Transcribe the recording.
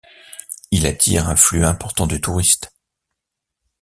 Il attire un flux important de touristes.